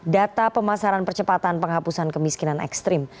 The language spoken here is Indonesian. data pemasaran percepatan penghapusan kemiskinan ekstrim